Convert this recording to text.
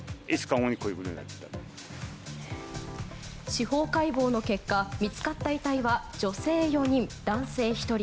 司法解剖の結果見つかった遺体は女性４人、男性１人。